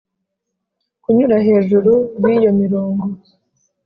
Kunyura hejuru y’iyo mirongo